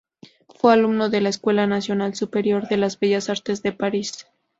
Fue alumno de la Escuela nacional superior de las bellas artes de París.